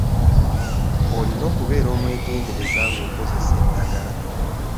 Olina okubeera omwegendereza ng'okozesa eddagala.